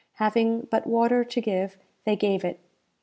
Having but water to give, they gave it.